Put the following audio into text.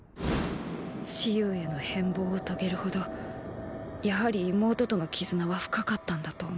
蚩尤への変貌を遂げるほどやはり妹との絆は深かったんだと思う。